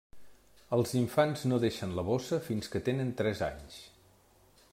Els infants no deixen la bossa fins que tenen tres anys.